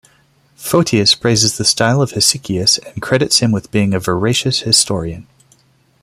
Photius praises the style of Hesychius, and credits him with being a veracious historian.